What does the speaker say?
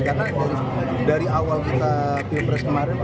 karena dari awal kita pilpres kemarin